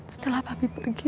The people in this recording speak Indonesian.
setelah papi pergi